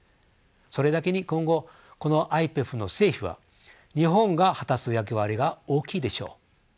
それだけに今後このＩＰＥＦの成否は日本が果たす役割が大きいでしょう。